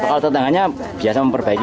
kalau tetangganya biasa memperbaiki